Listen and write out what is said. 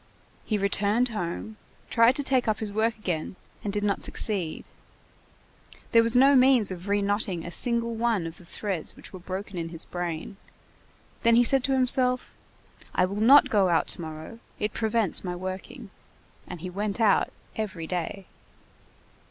He returned home, tried to take up his work again, and did not succeed; there was no means of re knotting a single one of the threads which were broken in his brain; then he said to himself: "I will not go out to morrow. It prevents my working." And he went out every day.